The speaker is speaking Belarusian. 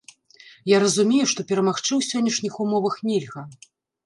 Я разумею, што перамагчы ў сённяшніх умовах нельга.